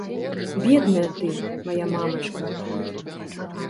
Бедная ты, мая мамачка!